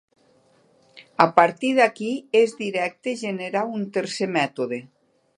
A partir d'aquí és directe generar un tercer mètode.